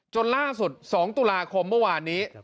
จนล่าสุด๒ตุลาคมเมื่อวานนี้